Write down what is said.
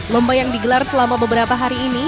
lomba yang digelar selama beberapa hari ini